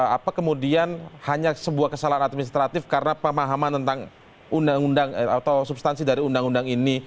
apa kemudian hanya sebuah kesalahan administratif karena pemahaman tentang undang undang atau substansi dari undang undang ini